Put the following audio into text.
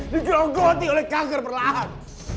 digerogoti oleh kanker perlahan